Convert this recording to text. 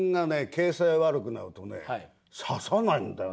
形勢悪くなるとね指さないんだよなかなか。